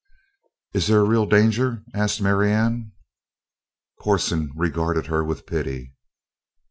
"Is there real danger?" asked Marianne. Corson regarded her with pity.